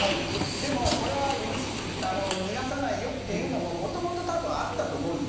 でも、これは逃がさないよというのももともと、たぶんあったと思う。